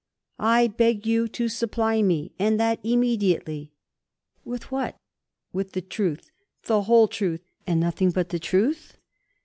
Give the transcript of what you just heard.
"I beg you to supply me, and that immediately" with what? with the truth, the whole truth, and nothing but the truth?